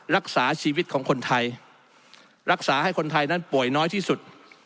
รักษาชีวิตของคนไทยรักษาให้คนไทยนั้นป่วยน้อยที่สุด